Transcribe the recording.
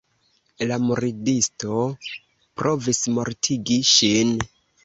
La murdisto provis mortigi ŝin.